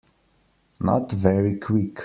Not very Quick.